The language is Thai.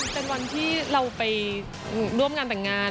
เป็นวันที่เราไปร่วมงานแต่งงาน